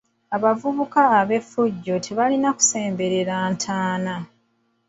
Abavubuka ab’effujjo tebalina kusemberera ntaana.